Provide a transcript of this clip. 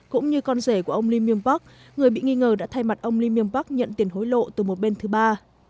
cũng như con rể của ông lee myung pak người bị nghi ngờ đã thay mặt ông lee myung pak nhận tiền hối lộ từ một bên thứ ba